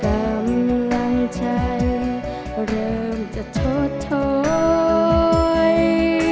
กำลังใจเริ่มจะทดถอย